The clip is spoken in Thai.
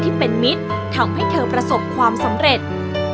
ที่เป็นมิตรทำให้เธอประสบความสำเร็จ